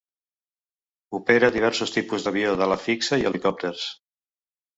Opera diversos tipus d'avió d'ala fixa i helicòpters.